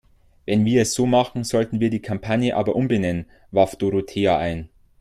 Wenn wir es so machen, sollten wir die Kampagne aber umbenennen, warf Dorothea ein.